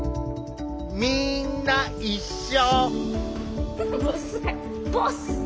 みんな一緒！